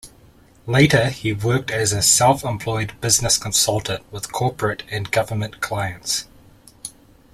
Later, he worked as a self-employed business consultant with corporate and government clients.